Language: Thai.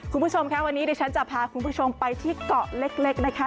คุณผู้ชมค่ะวันนี้ดิฉันจะพาคุณผู้ชมไปที่เกาะเล็กนะคะ